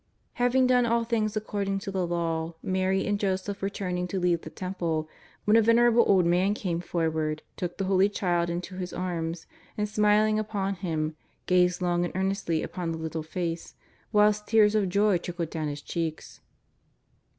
Having done all things according to the Law, Mary and Joseph were turning to leave the Temple when a venerable old man came forward, took the Holy Child into his arms, and, smiling upon Him, gazed long and earnestly upon the little face, whilst tears of joy trickled down his cheeks.